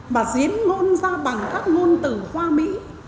mà diễn ngôn ra bằng các ngôn tử hoa mỹ